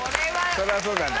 そりゃそうだな。